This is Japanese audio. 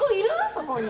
そこに。